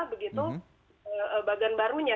begitu bagan barunya